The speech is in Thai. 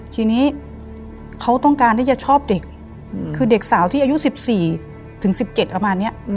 ทีนี้เขาต้องการที่จะชอบเด็กคือเด็กสาวที่อายุ๑๔ถึง๑๗ประมาณนี้